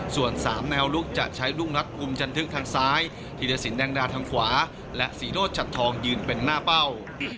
ส่วน๓แนวลุกจะใช้ลูกนัดกลุ่มจันทึกทางซ้ายธีรสินแดงดาทางขวาและศรีโรธชัดทองยืนเป็นหน้าเป้า